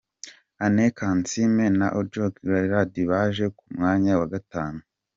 Anne Kansiime na Ojok Gerald baje ku mwanya wa gatanu.